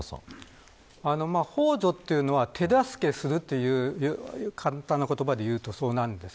ほう助というのは手助けするという簡単な言葉でいうとそうなります。